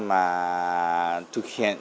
mà thực hiện